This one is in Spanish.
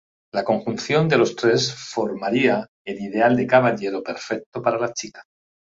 La conjunción de los tres formaría el ideal de caballero perfecto para la chica.